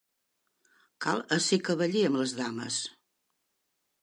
Cal ésser cavaller amb les dames.